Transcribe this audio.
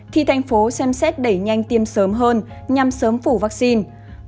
thì thành phố xem xét đẩy nhanh tiêm sớm hơn nhằm sớm phủ vaccine